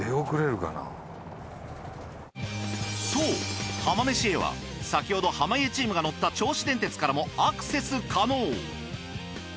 そう浜めしへは先ほど濱家チームが乗った銚子電鉄からもアクセス可能。